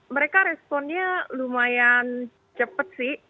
mereka responnya lumayan cepat sih